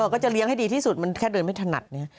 ก็จะเลี้ยงให้ดีที่สุดมันแค่เดินไม่ถนัดเนี่ย